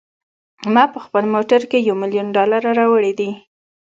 ما په خپل موټر کې یو میلیون ډالره راوړي دي.